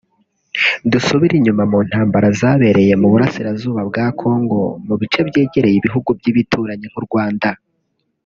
Dusubire inyuma mu ntambara zabereye mu burasirazuba bwa Congo mu bice byegereye ibihugu by’ibituranyi nk’U Rwanda